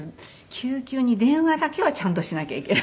救急に電話だけはちゃんとしなきゃいけない。